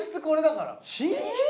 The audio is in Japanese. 寝室！？